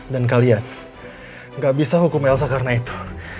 dan kalian gak bisa hukum elsa karena itu